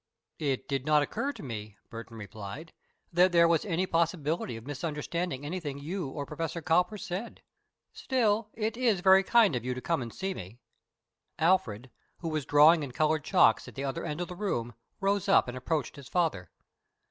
"It did not occur to me," Burton replied, "that there was any possibility of misunderstanding anything you or Professor Cowper said. Still, it is very kind of you to come and see me." Alfred, who was drawing in colored chalks at the other end of the room, rose up and approached his father.